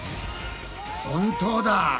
本当だ。